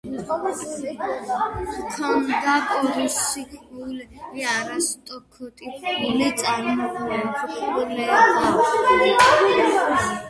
ჰქონდა პრუსიული არისტოკრატიული წარმომავლობა.